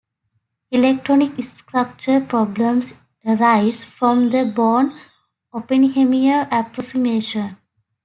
Electronic structure problems arise from the Born-Oppenheimer approximation.